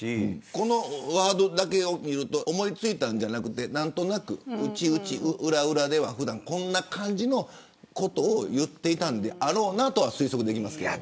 このワードだけを見ると思いついたのではなく何となく裏では普段こんな感じのことを言っていたのであろうなと推測できますけれど。